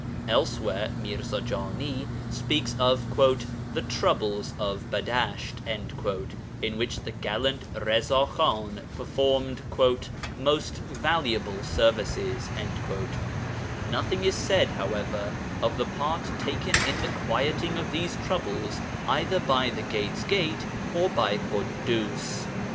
Elsewhere Mirza Jani speaks of the 'troubles of Badasht,' at which the gallant Riẓa Khan performed 'most valuable services.' Nothing is said, however, of the part taken in the quieting of these troubles either by the 'Gate's Gate' or by Ḳuddus.